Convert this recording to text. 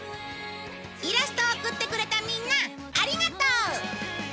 イラストを送ってくれたみんなありがとう！